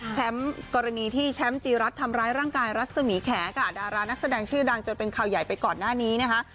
กรณีที่แชมป์จีรัฐทำร้ายร่างกายรัศมีแขค่ะดารานักแสดงชื่อดังจนเป็นข่าวใหญ่ไปก่อนหน้านี้นะคะ